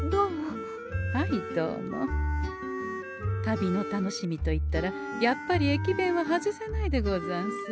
旅の楽しみといったらやっぱり駅弁は外せないでござんす。